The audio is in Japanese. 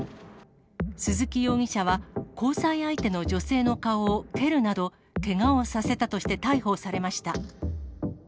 鈴木容疑者は、交際相手の女性の顔を蹴るなど、けがをさせたとして逮捕されました。